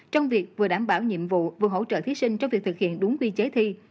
trong việc vừa đảm bảo nhiệm vụ vừa hỗ trợ thí sinh trong việc thực hiện đúng quy chế thi